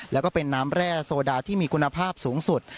แล้วก็เป็นน้ำแร่โซดาที่มีคุณภาพสูงสุด